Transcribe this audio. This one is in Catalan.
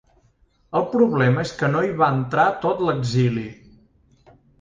El problema és que no hi va entrar tot l’exili.